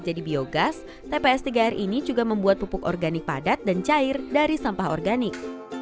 biogas tps tiga r ini juga membuat pupuk organik padat dan cair dari sampah organik